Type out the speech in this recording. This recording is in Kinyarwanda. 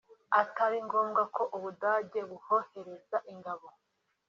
atari ngombwa ko u Budage buhohereza ingabo